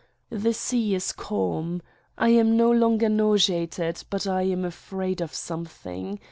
The sea is calm. I am no longer nauseated but I am afraid of something.